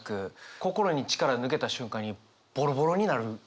心に力抜けた瞬間にボロボロになる。